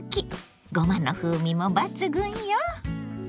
ごまの風味も抜群よ！